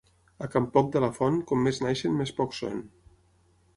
A can Poc de la Font, com més neixen més pocs són.